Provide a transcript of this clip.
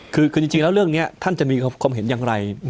คือจริงแล้วเรื่องนี้ท่านจะมีความเห็นอย่างไร